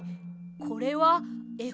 これはえ